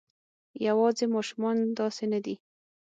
یواځې ماشومان داسې نه دي.